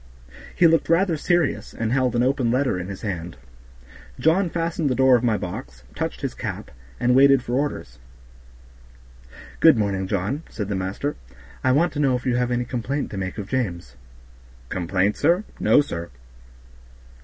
He looked rather serious, and held an open letter in his hand. John fastened the door of my box, touched his cap, and waited for orders. "Good morning, John," said the master. "I want to know if you have any complaint to make of James." "Complaint, sir? No, sir."